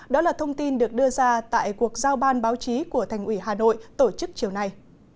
đó là thông tin được đưa ra tại cuộc giao ban báo chí của thành ủy hà nội tổ chức chiều nay